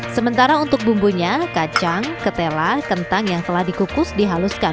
sementara untuk bumbunya kacang ketela kentang yang telah dikukus dihaluskan